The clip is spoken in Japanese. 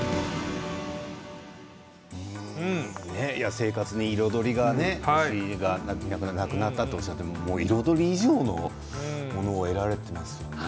生活に彩りが欲しいさっき、なくなったとおっしゃってましたが彩り以上のものが得られていますよね。